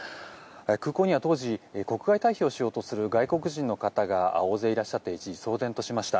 空港には当時国外退避しようとする外国人の方が大勢いらっしゃっていて一時、騒然としました。